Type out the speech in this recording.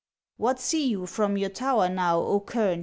What see you from your tower now, O kern